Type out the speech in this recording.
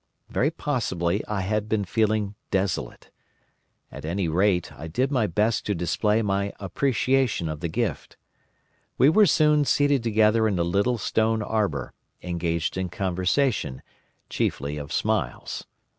Very possibly I had been feeling desolate. At any rate I did my best to display my appreciation of the gift. We were soon seated together in a little stone arbour, engaged in conversation, chiefly of smiles.